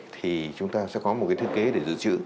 thì chúng ta sẽ có một cái thiết kế để giữ chữ